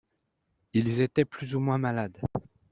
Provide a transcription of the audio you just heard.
Ils étaient plus ou moins malades.